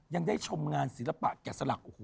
ยังได้ชมงานศิลปะแก่สลัก